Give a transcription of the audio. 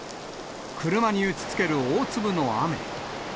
車に打ちつける大粒の雨。